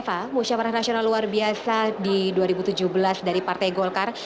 fasyawarah nasional luar biasa di dua ribu tujuh belas dari partai golkar